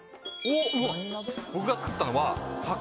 僕が作ったのは。